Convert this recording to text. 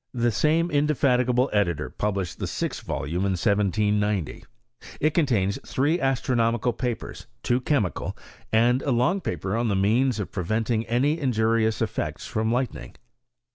The same indefatiga ble editor published the sixth volume in 1790. It contains three astronomical papers, two chemical, and a long paper on the means of preventing any injurious effects from lightning.